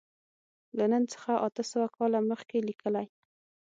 له نن څخه اته سوه کاله مخکې لیکلی.